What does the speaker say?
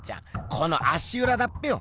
この足うらだっぺよ。